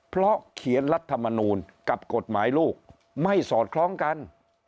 เพราะเขียนรัฐมนูลกับกฎหมายลูกไม่สอดคล้องกัน